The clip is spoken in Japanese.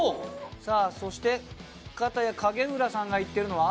さぁそして片や影浦さんがいってるのは？